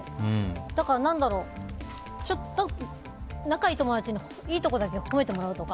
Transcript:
だからちょっと仲いい友達にいいところだけ褒めてもらうとか。